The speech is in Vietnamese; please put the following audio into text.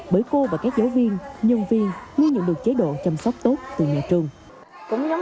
bởi cô và các giáo viên nhân viên luôn nhận được chế độ chăm sóc tốt từ nhà trường